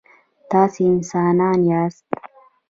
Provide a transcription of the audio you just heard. تاسي انسانان یاست.